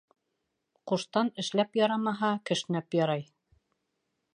Ҡуштан эшләп ярамаһа, кешнәп ярай.